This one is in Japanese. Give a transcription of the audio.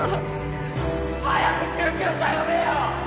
早く救急車呼べよ！